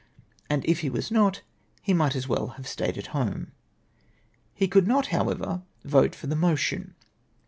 ' and if he was not, he might as well have stayed at home. " He coidd not, however, vote for the motion.